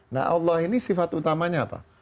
nah allah ini sifat utamanya apa